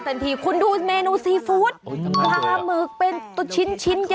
ทันทีคุณดูเมนูซีฟู้ดปลาหมึกเป็นตัวชิ้นกัน